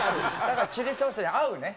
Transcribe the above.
だからチリソースに合うね？